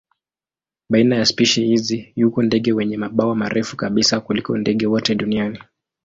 Baina ya spishi hizi yuko ndege wenye mabawa marefu kabisa kuliko ndege wote duniani.